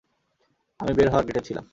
আমি বের হওয়ার গেটে ছিলাম।